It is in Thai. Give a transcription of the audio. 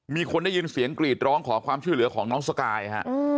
มีคนได้ยินเสียงกรีดร้องขอความช่วยเหลือของน้องสกายฮะ